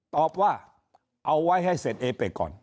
ตอบว่าเอาไว้ให้เสร็จเอเป็กก่อน